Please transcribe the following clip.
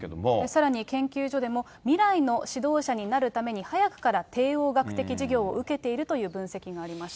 さらに研究所では未来の指導者になるために早くから帝王学的授業を受けている分析がありました。